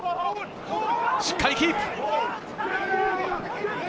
しっかりキープ。